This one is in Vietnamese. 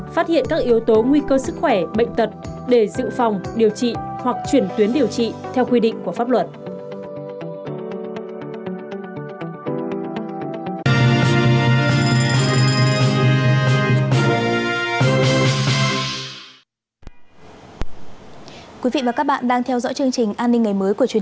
phát hiện các yếu tố nguy cơ sức khỏe